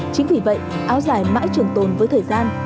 chính vì vậy áo dài mãi trường tồn với thời gian